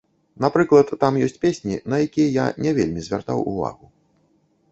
Напрыклад, там ёсць песні, на якія я не вельмі звяртаў увагу.